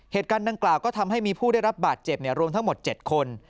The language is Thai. เหตุการณ์ดังกล่าวก็ทำให้มีผู้ได้รับบาดเจ็บรวมทั้งหมด๗คน